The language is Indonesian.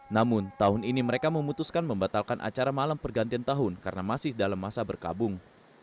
namun tahun ini mereka memutuskan membatalkan acara malam pergantian tahun karena masih dalam masa berkabung